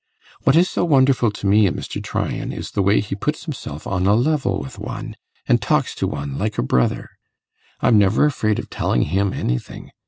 What is so wonderful to me in Mr. Tryan is the way he puts himself on a level with one, and talks to one like a brother. I'm never afraid of telling him anything.